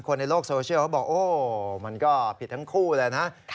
คนในโลกโซเชียลเขาบอกโอ้มันก็ผิดทั้งคู่เลยนะ